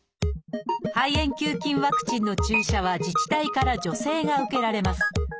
肺炎球菌ワクチンの注射は自治体から助成が受けられます。